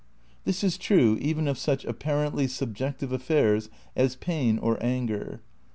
This is true, even of such apparently subjective af fairs as pain or anger.